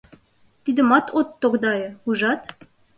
— Тидымат от тогдае, ужат?